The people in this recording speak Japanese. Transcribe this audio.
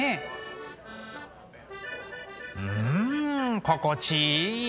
うん心地いい。